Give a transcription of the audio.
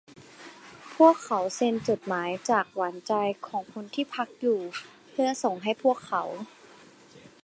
พวกเขาเซ็นจดหมายจากหวานใจของคนที่พักอยู่เพื่อส่งให้พวกเขา